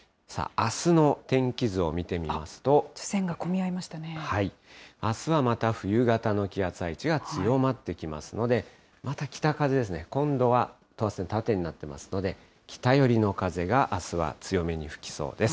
あすはまた冬型の気圧配置が強まってきますので、また北風ですね、今度は等圧線、縦になってますので、北寄りの風があすは強めに吹きそうです。